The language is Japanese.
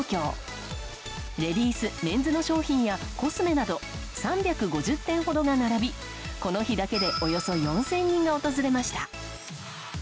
レディース、メンズの商品やコスメなど３５０点ほどが並びこの日だけでおよそ４０００人が訪れました。